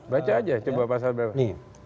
baca aja coba pasal berapa